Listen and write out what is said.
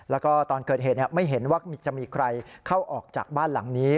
แล้วก็ตอนเกิดเหตุไม่เห็นว่าจะมีใครเข้าออกจากบ้านหลังนี้